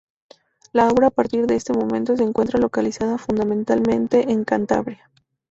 La obra a partir de este momento se encuentra localizada fundamentalmente en Cantabria.